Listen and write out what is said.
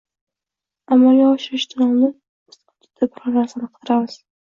Amalga oshirishdan oldin biz odatda biror narsani qidiramiz.